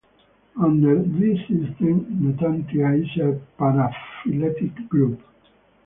Under this system, Natantia is a paraphyletic group.